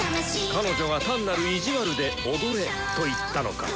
彼女が単なる意地悪で「踊れ」と言ったのか。